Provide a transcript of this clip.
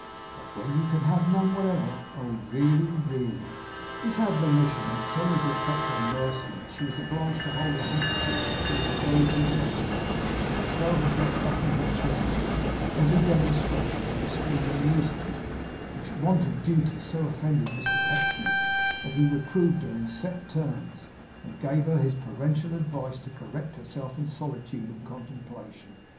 But when you can have none whatever oh, really, really!' This admonition had so little effect on Mercy, that she was obliged to hold her handkerchief before her rosy lips, and to throw herself back in her chair, with every demonstration of extreme amusement; which want of duty so offended Mr Pecksniff that he reproved her in set terms, and gave her his parental advice to correct herself in solitude and contemplation.